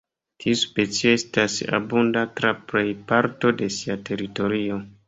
Tiu specio estas abunda tra plej parto de sia teritorio.